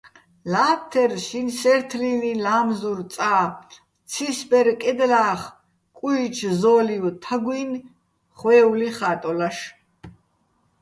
ლა́თთერ შინსე́რთლილიჼ ლა́მზურ წა, ცისბერ კედლა́ხ კუიჩო̆ ზო́ლივ თაგუჲნი̆ ხვე́ული ხა́ტოლაშ.